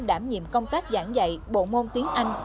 đảm nhiệm công tác giảng dạy bộ môn tiếng anh